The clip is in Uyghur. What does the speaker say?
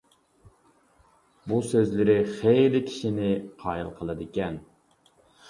بۇ سۆزلىرى خىلى كىشىنى قايىل قىلىدىكەن.